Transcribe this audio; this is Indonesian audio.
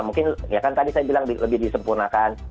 mungkin ya kan tadi saya bilang lebih disempurnakan